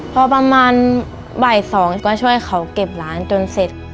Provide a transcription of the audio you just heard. พอประมาณบ่าย๒ก็ช่วยเขาเก็บร้านจนเสร็จ